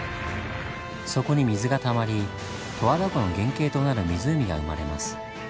そこに水がたまり十和田湖の原形となる湖が生まれます。